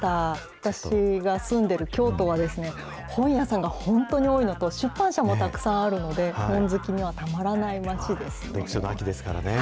私が住んでる京都はですね、本屋さんが本当に多いのと、出版社もたくさんあるので、本好きにはた読書の秋ですからね。